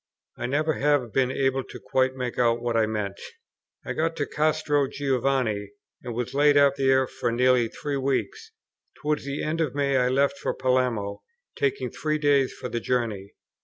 I never have been able quite to make out what I meant. I got to Castro Giovanni, and was laid up there for nearly three weeks. Towards the end of May I left for Palermo, taking three days for the journey.